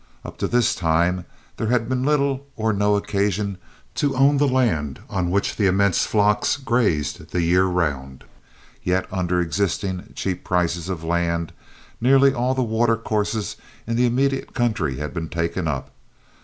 Up to this time there had been little or no occasion to own the land on which the immense flocks grazed the year round, yet under existing cheap prices of land nearly all the watercourses in the immediate country had been taken up.